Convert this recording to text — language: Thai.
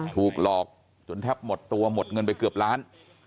ถูกหลอกจนแทบหมดตัวหมดเงินไปเกือบล้าน